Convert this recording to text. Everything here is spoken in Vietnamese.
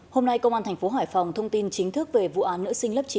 hôm nay công an thành phố hải phòng thông tin chính thức về vụ án nữ sinh lớp chín